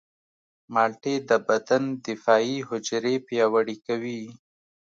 مالټې د بدن دفاعي حجرې پیاوړې کوي.